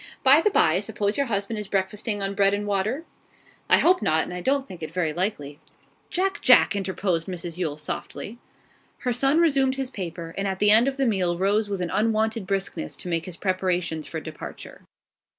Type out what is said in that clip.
By the bye, I suppose your husband is breakfasting on bread and water?' 'I hope not, and I don't think it very likely.' 'Jack, Jack!' interposed Mrs Yule, softly. Her son resumed his paper, and at the end of the meal rose with an unwonted briskness to make his preparations for departure.